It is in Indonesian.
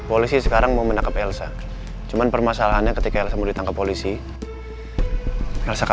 oke makasih banyak ya nggak